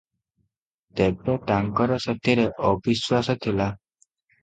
ତେବେ ତାଙ୍କର ସେଥିରେ ଅବିଶ୍ୱାସ ଥିଲା ।